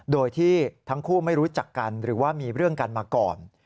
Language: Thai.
โดยที่ทั้งคู่ไม่รู้จักกันหรือว่ามีเรื่องกันมาก่อน